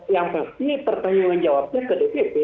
yang pasti pertanggung jawabnya ke dpp